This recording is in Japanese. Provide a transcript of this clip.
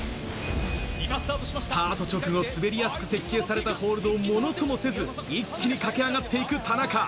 スタート直後、滑りやすく設計されたホールドをものともせず、一気に駆け上がっていく田中。